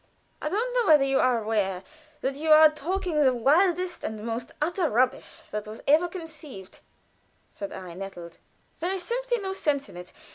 "I don't know whether you are aware that you are talking the wildest and most utter rubbish that was ever conceived," said I, nettled. "There is simply no sense in it.